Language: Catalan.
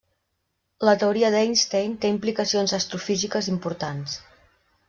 La teoria d'Einstein té implicacions astrofísiques importants.